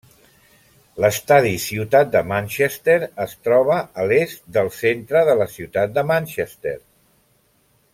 L'Estadi Ciutat de Manchester es troba a l'est del centre de la ciutat de Manchester.